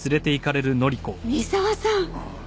三沢さん！？